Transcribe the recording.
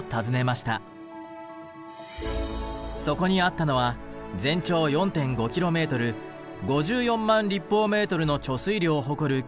そこにあったのは全長４．５キロメートル５４万立方メートルの貯水量を誇る巨大な調整池。